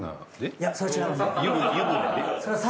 いやそれ違います。